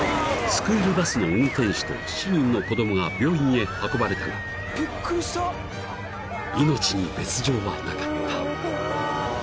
［スクールバスの運転手と７人の子供が病院へ運ばれたが命に別条はなかった］